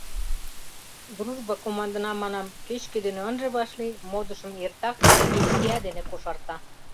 «Дружба» командына, манам, кеч-кӧ дене ынже вашлий, модышым эртак вничья дене кошарта.